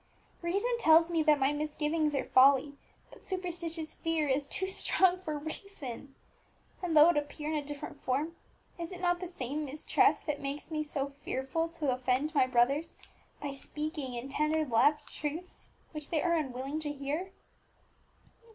Reason tells me that my misgivings are folly, but superstitious fear is too strong for reason. And, though it appear in a different form, is it not the same mistrust that makes me so fearful to offend my brothers by speaking, in tender love, truths which they are unwilling to hear?